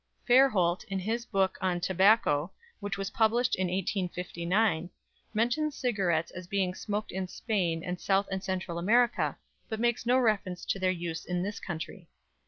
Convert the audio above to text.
Fairholt, in his book on "Tobacco," which was published in 1859, mentions cigarettes as being smoked in Spain and South and Central America, but makes no reference to their use in this country.